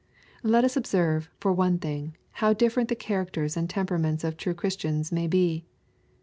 Let us observe, for one thing, how different the char^ acters and temperaments of true Christians may be.